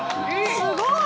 すごい！